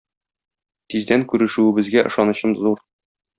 Тиздән күрешүебезгә ышанычым зур.